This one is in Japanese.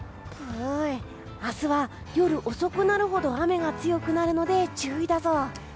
明日は夜遅くなるほど雨が強くなるので注意だぞ。